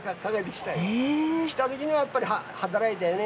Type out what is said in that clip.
来た時にはやっぱり働いたよね。